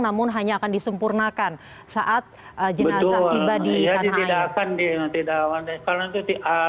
namun hanya akan disempurnakan saat jenazah tiba di tanah air